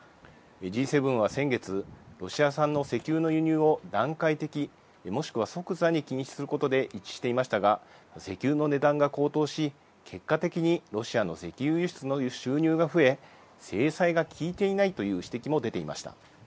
Ｇ７は先月ロシア産の石油の輸入を段階的もしくは即座に禁止することで一致していましたが石油の値段が高騰し、結果的にロシアの石油輸出の収入が増え制裁が効いていないという指摘も出ていました。